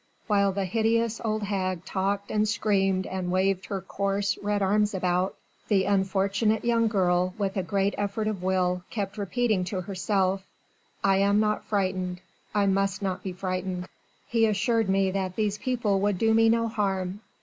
While the hideous old hag talked and screamed and waved her coarse, red arms about, the unfortunate young girl with a great effort of will, kept repeating to herself: "I am not frightened I must not be frightened. He assured me that these people would do me no harm...."